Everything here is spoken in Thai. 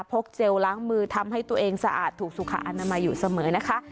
เจลล้างมือทำให้ตัวเองสะอาดถูกสุขอนามัยอยู่เสมอนะคะ